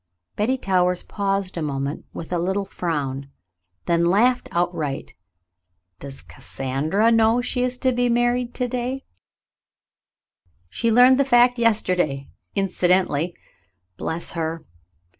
Betty Towers paused a moment with a little frown, then laughed outright. "Does Cassandra know she is to be married to day ^" "She learned the fact yesterday — incidentally — bless her